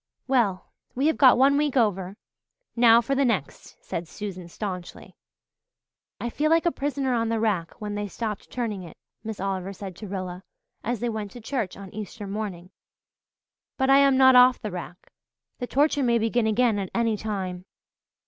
"Well, we have got one week over now for the next," said Susan staunchly. "I feel like a prisoner on the rack when they stopped turning it," Miss Oliver said to Rilla, as they went to church on Easter morning. "But I am not off the rack. The torture may begin again at any time."